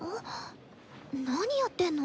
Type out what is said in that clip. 何やってんの？